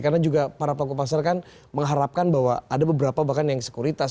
karena juga para panggung pasar kan mengharapkan bahwa ada beberapa bahkan yang sekuritas